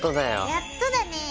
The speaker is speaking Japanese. やっとだね。